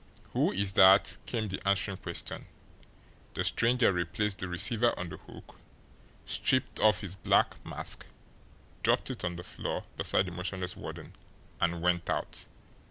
"Who is that?" came the answering question. The stranger replaced the receiver on the hook, stripped off his black mask, dropped it on the floor beside the motionless warden, and went out.